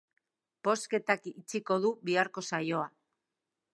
Bozketak itxiko du biharko saioa.